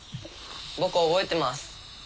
僕覚えてます。